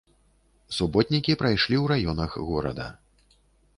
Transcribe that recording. Суботнікі прайшлі ў раёнах горада.